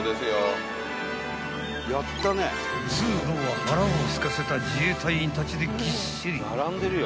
［通路は腹をすかせた自衛隊員たちでぎっしり］